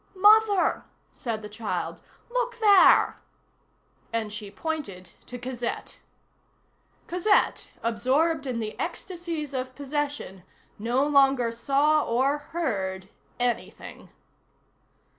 "Mother," said the child, "look there!" And she pointed to Cosette. Cosette, absorbed in the ecstasies of possession, no longer saw or heard anything.